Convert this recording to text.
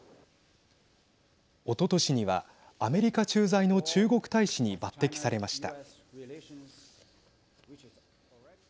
おととしにはアメリカ駐在の中国大使に抜てきされました。